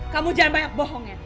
kamu jangan banyak bohong ya